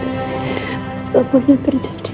apa pun yang terjadi